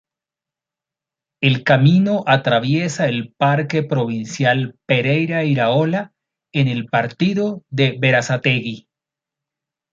El camino atraviesa el Parque Provincial Pereyra Iraola en el Partido de Berazategui.